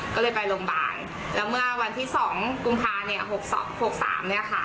ก็เลยไปโรงพยาบาลแล้วเมื่อวันที่๒กรุงภาคม๑๙๖๒๑๙๖๓